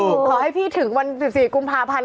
ขอให้พี่ถึงวัน๑๔กุมภาพันธ์